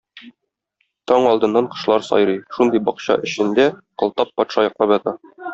Таң алдыннан кошлар сайрый, шундый бакча эчендә Кылтап патша йоклап ята.